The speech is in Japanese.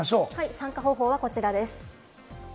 参加方法はこちらです。